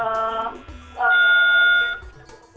jadi kita kan jalan ke jilan